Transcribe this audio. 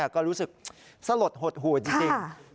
ก็รู้สึกสลดหดหูดจริง